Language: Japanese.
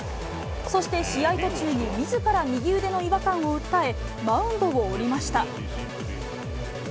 そして試合途中にみずから右腕の違和感を訴え、マウンドを降りました。